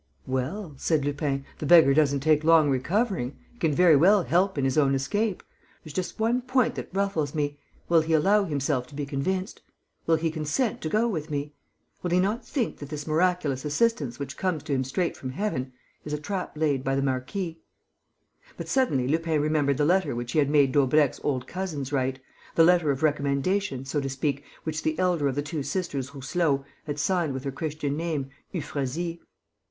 "Well" said Lupin, "the beggar doesn't take long recovering. He can very well help in his own escape. There's just one point that ruffles me: will he allow himself to be convinced? Will he consent to go with me? Will he not think that this miraculous assistance which comes to him straight from heaven is a trap laid by the marquis?" But suddenly Lupin remembered the letter which he had made Daubrecq's old cousins write, the letter of recommendation, so to speak, which the elder of the two sisters Rousselot had signed with her Christian name, Euphrasie.